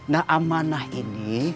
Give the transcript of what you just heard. nah amanah ini